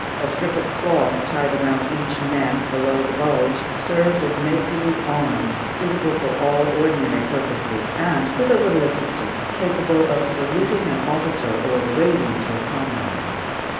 A strip of cloth tied around each neck, below the bulge, served as make believe arms, suitable for all ordinary purposes, and, with a little assistance, capable of saluting an officer or waving to a comrade.